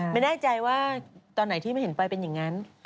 ไม่แน่ใจว่าตอนไหนที่ไม่เห็นไปเป็นอย่างนั้น